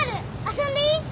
遊んでいい？